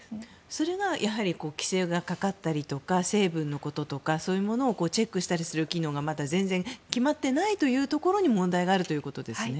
それが規制がかかったりとか成分のこととかをチェックしたりする機能がまだ全然、決まっていないというところに問題があるということですね。